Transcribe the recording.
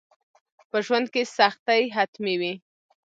په ژوند کي سختي حتمي وي.